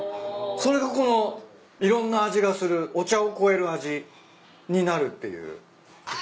それがこのいろんな味がするお茶を超える味になるっていう。